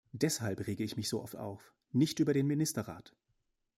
Deshalb rege ich mich so oft auf, nicht über den Ministerrat.